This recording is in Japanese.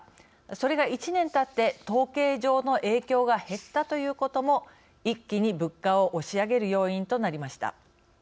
それが１年たって統計上の影響が減ったということも一気に物価を押し上げる要因となりました。